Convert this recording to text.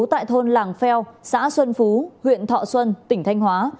tại thôn làng pheo xã xuân phú huyện thọ xuân tỉnh thanh hóa